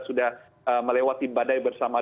sudah melewati badai bersama